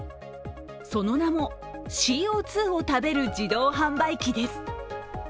その名もＣＯ２を食べる自動販売機です。